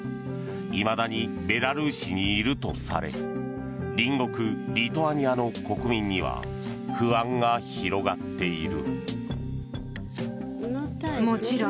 いまだにベラルーシにいるとされ隣国リトアニアの国民には不安が広がっている。